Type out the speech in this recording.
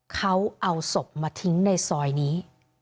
เขาเอาศพมาทิ้งในซอยนี้